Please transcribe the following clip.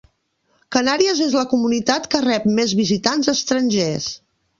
Canàries és la comunitat que rep més visitants estrangers.